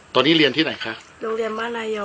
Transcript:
ตอนนี้เรียนที่ไหนครับ